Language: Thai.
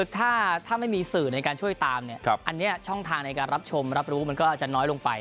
ถ้าไม่มีสื่อในการช่วยตามเนี่ยอันนี้ช่องทางในการรับชมรับรู้มันก็อาจจะน้อยลงไป